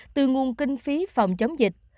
từ nguồn kinh phí phòng chống dịch